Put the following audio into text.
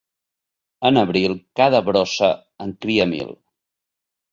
En abril cada brossa en cria mil.